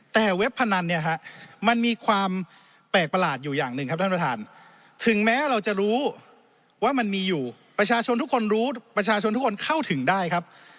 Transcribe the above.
แต่เว็บพนันเนี่ยฮะมันมีความแปลกประหลาดอยู่อย่างหนึ่งครับท่านประธานถึงแม้เราจะรู้ว่ามันมีอยู่ประชาชนทุกคนรู้ประชาชนทุกคนเข้าถึงได้ครับ